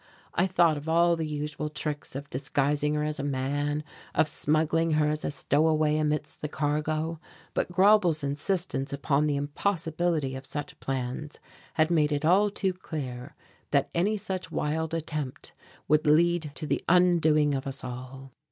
I thought of all the usual tricks of disguising her as a man, of smuggling her as a stowaway amidst the cargo, but Grauble's insistence upon the impossibility of such plans had made it all too clear that any such wild attempt would lead to the undoing of us all.